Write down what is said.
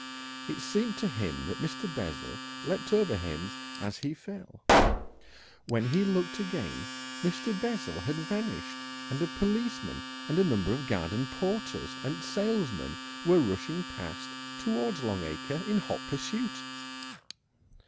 It seemed to him that Mr. Bessel leapt over him as he fell. When he looked again Mr. Bessel had vanished, and a policeman and a number of garden porters and salesmen were rushing past towards Long Acre in hot pursuit.